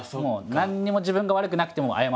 何にも自分が悪くなくてもハハ！